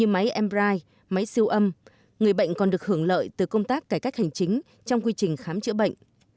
máy embright máy siêu âm người bệnh còn được hưởng lợi từ công tác cải cách hành chính trong quy trình khám chữa bệnh